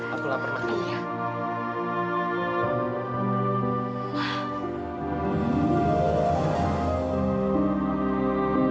aku lapar banget